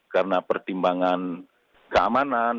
karena pertimbangan keamanan